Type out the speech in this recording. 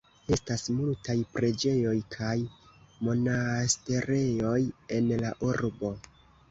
Estas multaj preĝejoj kaj monaasterejoj en la urbo.